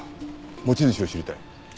持ち主を知りたい。